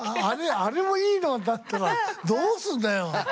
あれもいいのだったらどうすんだよ。